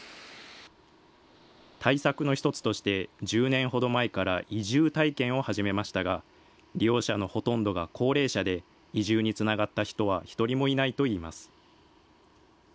対策の一つとして、１０年ほど前から移住体験を始めましたが、利用者のほとんどが高齢者で、移住につながった人は一人もいないといいます。